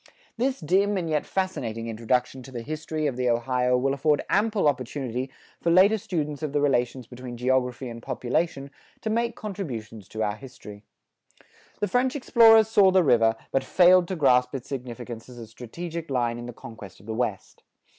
This dim and yet fascinating introduction to the history of the Ohio will afford ample opportunity for later students of the relations between geography and population to make contributions to our history. The French explorers saw the river, but failed to grasp its significance as a strategic line in the conquest of the West.